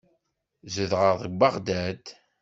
Zedɣeɣ deg Beɣdad.